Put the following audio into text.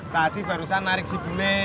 tadi barusan narik si bule